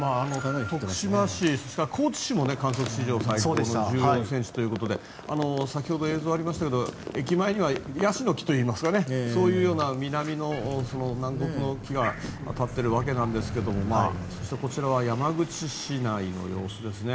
徳島市それから高知市も観測史上最高１４ｃｍということで先ほど映像がありましたが駅前にはヤシの木といいますかそういうような南の南国の木が立っているわけなんですがそしてこちらは山口市内の様子ですね。